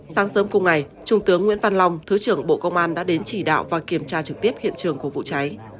sáng sớm cùng ngày trung tướng nguyễn văn long thứ trưởng bộ công an đã đến chỉ đạo và kiểm tra trực tiếp hiện trường của vụ cháy